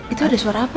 itu ada suara apa ya